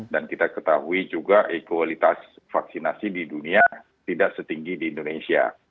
dan kita ketahui juga ekualitas vaksinasi di dunia tidak setinggi di indonesia